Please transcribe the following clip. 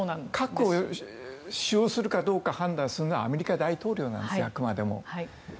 核を使用するかどうか判断するのはアメリカ大統領なんですあくまでも。